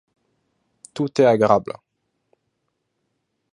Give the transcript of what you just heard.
Tute agrabla.